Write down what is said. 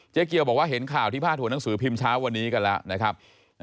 เกี่ยวบอกว่าเห็นข่าวที่พาดหัวหนังสือพิมพ์เช้าวันนี้กันแล้วนะครับ